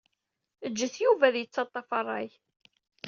Ǧǧet Yuba ad yettaṭṭaf rray.